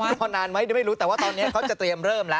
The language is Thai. พอนานไหมไม่รู้แต่ว่าตอนนี้เขาจะเตรียมเริ่มแล้ว